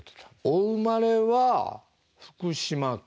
お生まれは福島県。